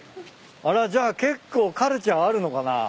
あらじゃあ結構カルチャーあるのかな？